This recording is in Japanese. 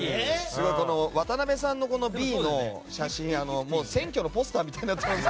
渡辺さんのＢの写真、選挙のポスターみたいになってます。